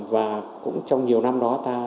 và cũng trong nhiều năm đó ta đứng thứ nhất thứ nhì